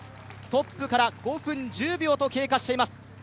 トップから５分１０秒と経過しています。